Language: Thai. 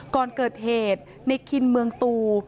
ก่อนเกิดเหตุในคินเมืองตู